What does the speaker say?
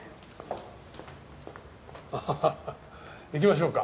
アハハハ行きましょうか。